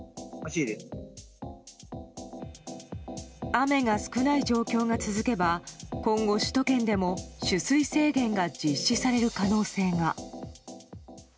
雨が少ない状況が続けば今後、首都圏でも取水制限が実施される可能性が。